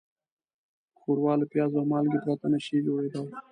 ښوروا له پیاز او مالګې پرته نهشي جوړېدای.